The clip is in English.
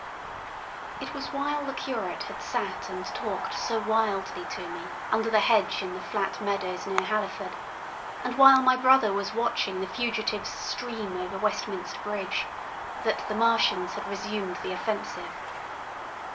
It was while the curate had sat and talked so wildly to me under the hedge in the flat meadows near Halliford, and while my brother was watching the fugitives stream over Westminster Bridge, that the Martians had resumed the offensive.